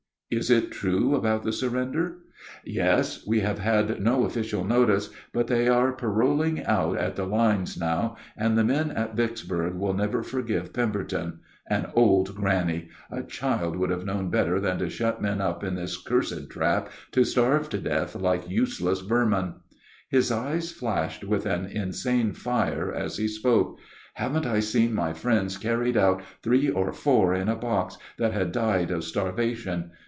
"Is it true about the surrender?" "Yes; we have had no official notice, but they are paroling out at the lines now, and the men in Vicksburg will never forgive Pemberton. An old granny! A child would have known better than to shut men up in this cursed trap to starve to death like useless vermin." His eyes flashed with an insane fire as he spoke, "Haven't I seen my friends carried out three or four in a box, that had died of starvation!